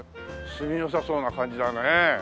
住みよさそうな感じだね。